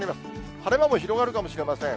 晴れ間も広がるかもしれません。